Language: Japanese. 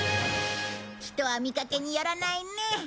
人は見かけによらないね。